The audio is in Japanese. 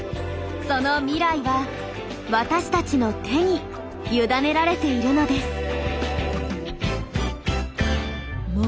その未来は私たちの手に委ねられているのです。